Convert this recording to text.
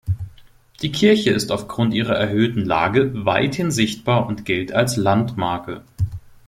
Die Kirche ist auf Grund ihrer erhöhten Lage weithin sichtbar und gilt als Landmarke.